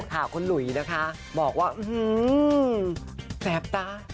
ค่ะคนหลุยนะคะบอกว่าอื้อหือแสบตา